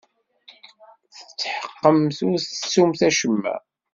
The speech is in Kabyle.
Tetḥeqqemt ur tettumt acemma?